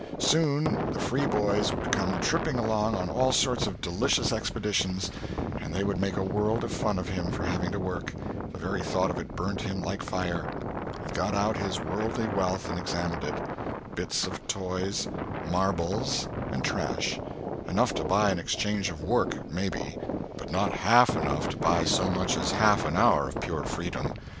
Soon the free boys would come tripping along on all sorts of delicious expeditions, and they would make a world of fun of him for having to work—the very thought of it burnt him like fire. He got out his worldly wealth and examined it—bits of toys, marbles, and trash; enough to buy an exchange of work, maybe, but not half enough to buy so much as half an hour of pure freedom.